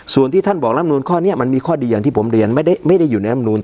ส่วนที่ท่านบอกรำนูนข้อนี้มันมีข้อดีอย่างที่ผมเรียนไม่ได้อยู่ในลำนูล